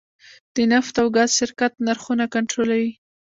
د نفت او ګاز شرکت نرخونه کنټرولوي؟